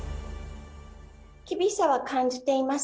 厳しさは感じています。